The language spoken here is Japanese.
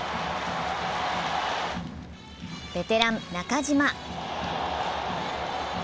ベテラン・中島。